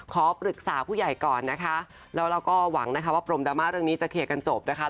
ขอปรึกษาผู้ใหญ่ก่อนนะคะแล้วเราก็หวังนะคะว่าปรมดราม่าเรื่องนี้จะเคลียร์กันจบนะคะ